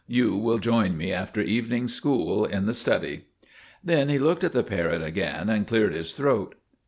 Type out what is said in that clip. You will join me after evening school in the study." Then he looked at the parrot again and cleared his throat.